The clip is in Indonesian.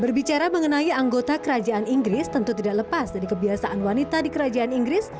berbicara mengenai anggota kerajaan inggris tentu tidak lepas dari kebiasaan wanita di kerajaan inggris